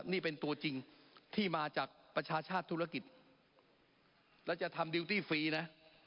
นี่เป็นตัวจริงที่มาจากประชาชาติธุรกิจแล้วจะทำดิวตี้ฟรีนะ